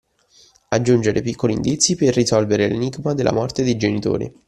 Aggiungere piccoli indizi per risolvere l’enigma della morte dei genitori.